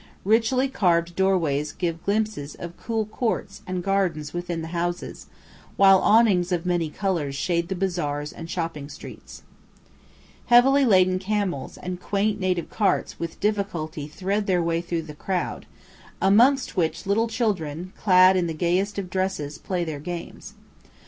Richly carved doorways give glimpses of cool courts and gardens within the houses, while awnings of many colours shade the bazaars and shopping streets. [Illustration: AN ARAB CAFÉ, CAIRO.] Heavily laden camels and quaint native carts with difficulty thread their way through the crowd, amongst which little children, clad in the gayest of dresses, play their games.